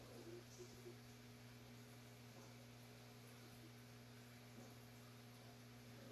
Ondoren kamioia errepidetik atera eta irauli egin da.